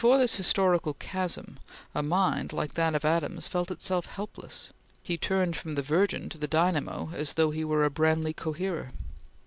Before this historical chasm, a mind like that of Adams felt itself helpless; he turned from the Virgin to the Dynamo as though he were a Branly coherer.